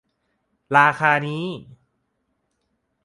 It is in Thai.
ราคานี้